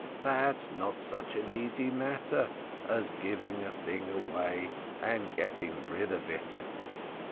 That's not such an easy matter as giving a thing away and getting rid of it."